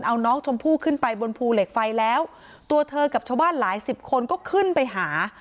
เอาน้องชมพู่ขึ้นไปบนภูเหล็กไฟแล้วตัวเธอกับชาวบ้านหลายสิบคนก็ขึ้นไปหา